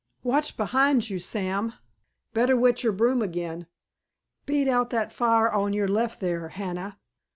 Watch behind you, Sam; better wet your broom again! Beat out that fire on your left there, Hannah!"